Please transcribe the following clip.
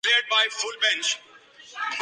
زیادہ معلومات کا سنبھال سکتا ہوں